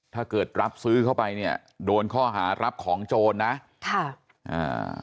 ถ้าเกิดรับซื้อเข้าไปเนี่ยโดนข้อหารับของโจรนะค่ะอ่า